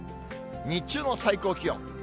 日中の最高気温。